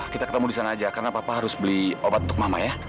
kita ketemu di sana aja karena papa harus beli obat untuk mama ya